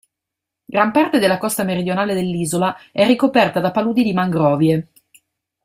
Gran parte della costa meridionale dell'isola è ricoperta da paludi di mangrovie.